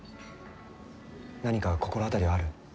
何か心当たりはある？